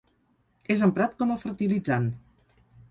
És emprat com a fertilitzant.